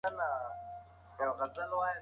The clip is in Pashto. ثمر ګل خپل څادر پر ځمکه هوار کړ.